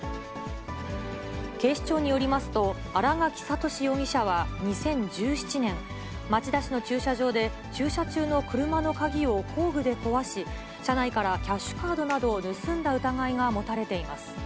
警視庁によりますと、新垣聡容疑者は２０１７年、町田市の駐車場で、駐車中の車の鍵を工具で壊し、車内からキャッシュカードなどを盗んだ疑いが持たれています。